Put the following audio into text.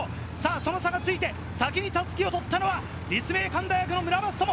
その差がついて先に襷を取ったのは立命館大学の村松灯！